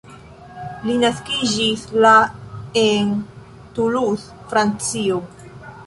Li naskiĝis la en Toulouse Francio.